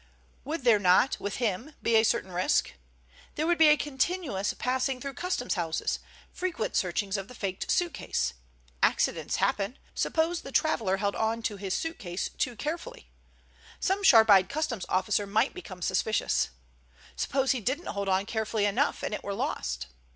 Would there not, with him, be a certain risk? There would be a continuous passing through Customs houses, frequent searchings of the faked suitcase. Accidents happen. Suppose the traveller held on to his suitcase too carefully? Some sharp eyed Customs officer might become suspicious. Suppose he didn't hold on carefully enough and it were lost?